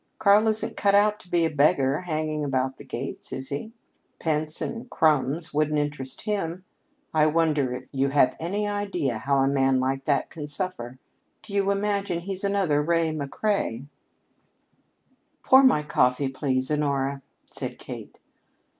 Karl isn't cut out to be a beggar hanging about the gates, is he? Pence and crumbs wouldn't interest him. I wonder if you have any idea how a man like that can suffer? Do you imagine he is another Ray McCrea?" "Pour my coffee, please, Honora," said Kate.